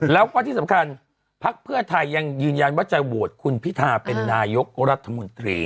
แล้วก็ที่สำคัญภักดิ์เพื่อไทยยังยืนยันว่าจะโหวตคุณพิธาเป็นนายกรัฐมนตรี